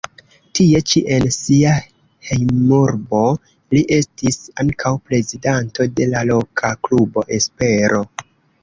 Tie ĉi, en sia hejmurbo, li estis ankaŭ prezidanto de la loka klubo Espero.